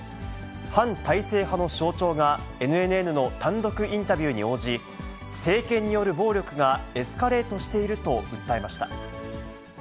反体制派の象徴が、ＮＮＮの単独インタビューに応じ、政権による暴力がエスカレートしていると訴えました。